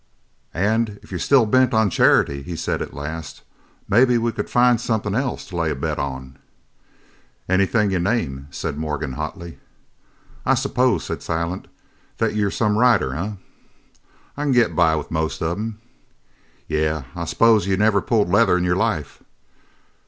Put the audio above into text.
"An' if you're still bent on charity," he said at last, "maybe we could find somethin' else to lay a bet on!" "Anything you name!" said Morgan hotly. "I suppose," said Silent, "that you're some rider, eh?" "I c'n get by with most of 'em." "Yeh I suppose you never pulled leather in your life?"